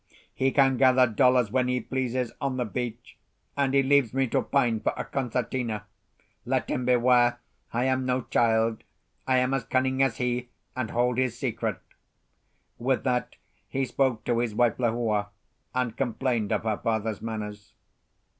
"He can gather dollars when he pleases on the beach, and he leaves me to pine for a concertina! Let him beware: I am no child, I am as cunning as he, and hold his secret." With that he spoke to his wife Lehua, and complained of her father's manners.